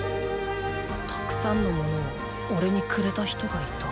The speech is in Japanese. たくさんのものをおれにくれた人がいた。